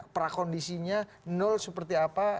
prakondisinya nul seperti apa